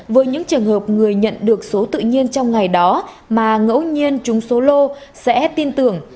với những trường hợp người nhận được số tự nhiên trong ngày đó mà ngẫu nhiên chúng số lô sẽ tin tưởng